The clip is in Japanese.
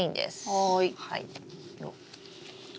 はい。